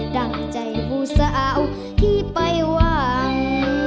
ดั่งใจผู้สาวที่ไปหวัง